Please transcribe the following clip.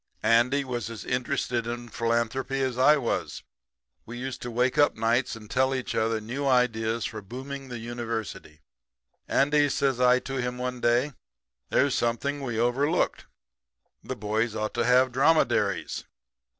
"Andy was as interested in philanthropy as I was. We used to wake up of nights and tell each other new ideas for booming the University. "'Andy,' says I to him one day, 'there's something we overlooked. The boys ought to have dromedaries.'